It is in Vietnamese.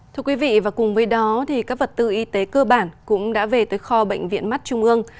thưa quý vị và cùng với đó các vật tư y tế cơ bản cũng đã về tới kho bệnh viện mắt trung ương